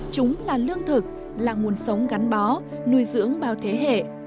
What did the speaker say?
chúng là lương thực là nguồn sống gắn bó nuôi dưỡng bao thế hệ